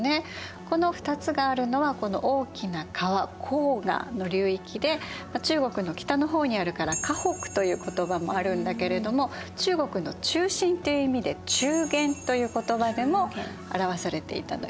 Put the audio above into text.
この２つがあるのは大きな川黄河の流域で中国の北の方にあるから華北という言葉もあるんだけれども中国の中心という意味で中原という言葉でも表されていたのよね。